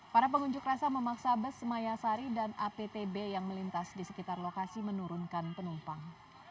para pengunjuk rasa memaksa bus mayasari dan aptb yang melintas di sekitar lokasi menurunkan penumpang